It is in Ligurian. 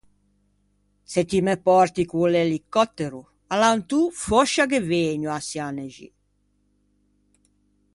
Se ti me pòrti con l'elicòttero alantô fòscia ghe vëgno à Çianexi.